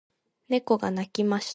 猫が鳴きました。